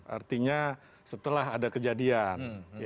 artinya setelah ada kejadian